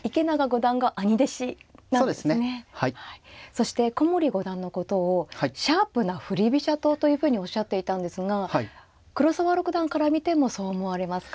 そして古森五段のことをシャープな振り飛車党というふうにおっしゃっていたんですが黒沢六段から見てもそう思われますか。